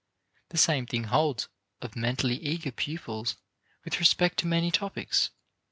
The same thing holds of mentally eager pupils with respect to many topics.